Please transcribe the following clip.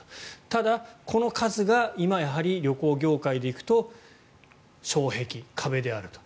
ただ、この数が今やはり旅行業界でいくと障壁、壁であると。